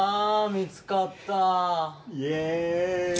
見つかったイェーイ